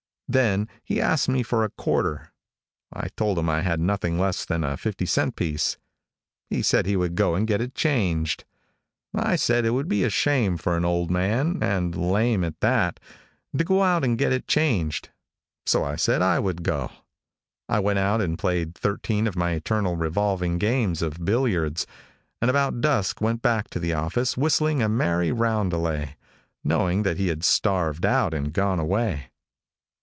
Then he asked me for a quarter. I told him I had nothing less than a fifty cent piece. He said he would go and get it changed. I said it would be a shame for an old man, and lame at that, to go out and get it changed; so I said I would go. I went out and played thirteen of my eternal revolving games of billiards, and about dusk went back to the office whistling a merry roundelay, knowing that he had starved out and gone away.